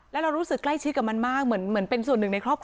แล้วเรารู้สึกใกล้ชิดกับมันมากเหมือนเป็นส่วนหนึ่งในครอบครัว